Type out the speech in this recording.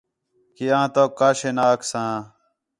کہ آں تَؤک کا شے نہ آکھساں